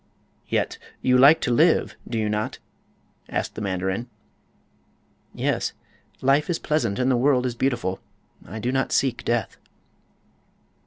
"Yet you like to live, do you not?" asked the mandarin. "Yet; life is pleasant and the world is beautiful. I do not seek death."